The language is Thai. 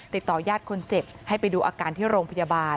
ติดต่อยาดคนเจ็บให้ไปดูอาการที่โรงพยาบาล